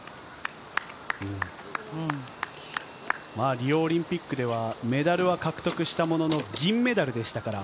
リオオリンピックではメダルは獲得したものの、銀メダルでしたから。